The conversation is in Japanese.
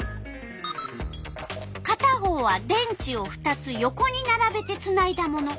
かた方は電池を２つ横にならべてつないだもの。